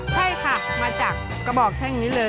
ใช่ค่ะมาจากกระบอกแท่งนี้เลย